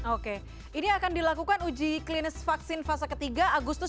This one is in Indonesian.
oke ini akan dilakukan uji klinis vaksin fase ketiga agustus dua ribu dua puluh satu